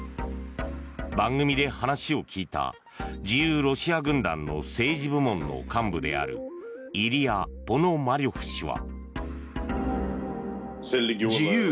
番組で話を聞いた自由ロシア軍団の政治部門の幹部であるイリヤ・ポノマリョフ氏は。